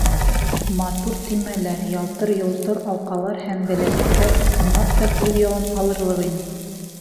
Матур төймәләр, ялтыр-йолтор алҡалар һәм беләҙектәр ысынлап күҙ яуын алырлыҡ ине.